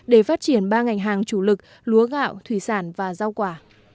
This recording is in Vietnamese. để phát triển ba ngành hàng chủ lực lúa gạo thủy sản và rau quả